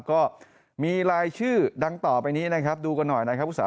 ก็มีลายชื่อดังต่อไปนี้นะครับดูกันหน่อยนะครับ